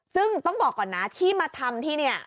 ซึ่งต้องบอกก่อนนะที่มาทำที่นี่